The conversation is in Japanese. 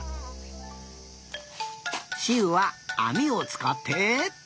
しうはあみをつかって。